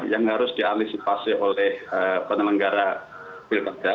yang harus dialisipasi oleh penelenggara wilkada